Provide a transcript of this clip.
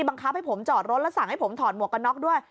บังคับให้ผมจอดรถแล้วสั่งให้ผมถอดหมวกกันน็อกด้วย